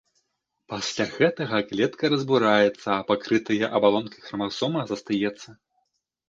Пасля гэтага клетка разбураецца, а пакрытая абалонкай храмасома застаецца.